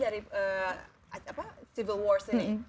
jadi dari civil war sini